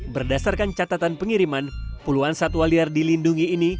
berdasarkan catatan pengiriman puluhan satwa liar dilindungi ini